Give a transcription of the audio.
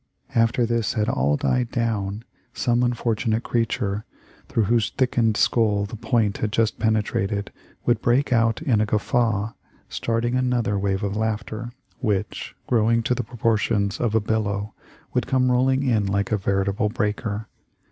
After this had all died down, some unfortunate creature, through whose thickened skull the point had just penetrated, would break out in a guffaw, starting another wave of laughter which, growing to the proportions of a billow, would come rolling in like a veritable breaker.